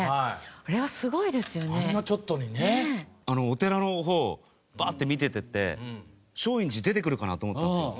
お寺の方バッて見ていって松陰寺出てくるかなと思ったんですよ。